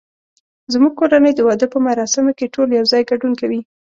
زمونږ کورنۍ د واده په مراسمو کې ټول یو ځای ګډون کوي